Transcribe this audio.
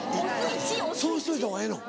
・そうしといた方がええの？